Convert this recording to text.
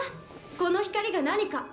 この光が何か。